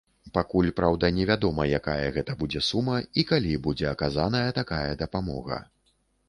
Пакуль, праўда, невядома, якая гэта будзе сума і калі будзе аказаная такая дапамога.